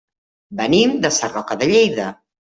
Venim de Sarroca de Lleida.